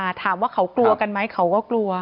พี่ย่าถ้าถามว่าเขากลัวกันมั้ยเขาก็กลัว